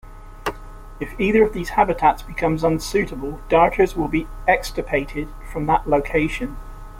If either of these habitats becomes unsuitable, darters will be extirpated from that location.